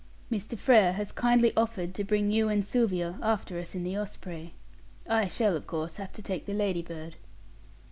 "Mr. Frere has kindly offered to bring you and Sylvia after us in the Osprey. I shall, of course, have to take the Ladybird."